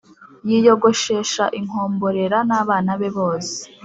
yiyogoshesha inkomborera n'abana be bose,